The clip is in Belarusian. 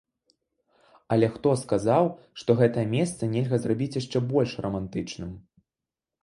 Але хто сказаў, што гэтае месца нельга зрабіць яшчэ больш рамантычным?